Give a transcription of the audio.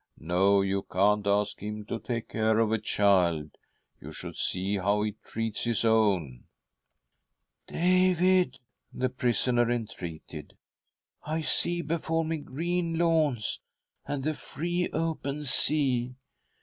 " No/ you can't ask him to take care of a child. You should see how he treats his own." " David," the prisoner entreated, " I see before ■ me green lawns and the free, open sea.